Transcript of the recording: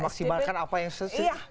memaksimalkan apa yang sesih